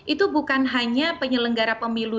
itu bukan hanya penyelenggara pemilu